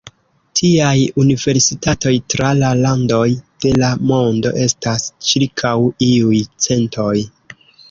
Tiaj universitatoj tra la landoj de la mondo estas ĉirkaŭ iuj centoj.